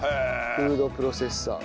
フードプロセッサー。